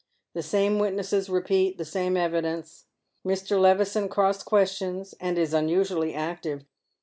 The same witnesses repeat the same evidence. Mr. Levi son cross questions, and is unusually active.